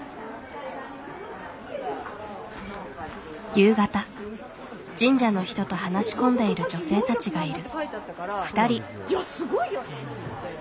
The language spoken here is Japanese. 夕方神社の人と話し込んでいる女性たちがいる。